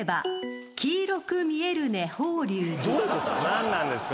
何なんですか？